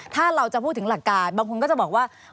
ถ้าเราจะพูดถึงหลักการบางคนก็จะบอกว่า